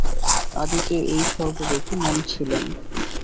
আদিতে এই সর্বব্যাপী মন ছিলেন।